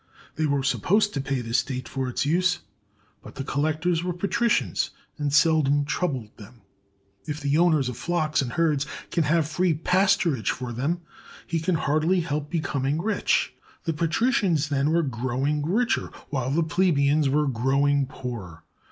They were supposed to pay the state for its use, but the collectors were patricians and seldom troubled them. If the owner of flocks and herds can have free pasturage for them, he can hardly help becom ing rich. The patricians, then, were growing richer, while the plebeians were growing poorer.